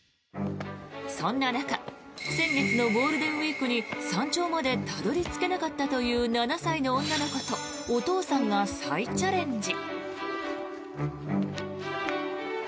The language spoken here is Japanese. そんな中先月のゴールデンウィークに山頂までたどり着けなかったという７歳の女の子とお父さんが再チャレンジ。